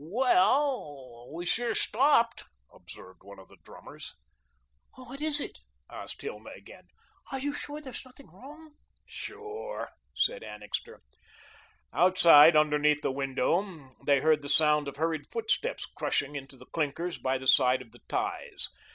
"Well, we've sure stopped," observed one of the drummers. "What is it?" asked Hilma again. "Are you sure there's nothing wrong?" "Sure," said Annixter. Outside, underneath their window, they heard the sound of hurried footsteps crushing into the clinkers by the side of the ties.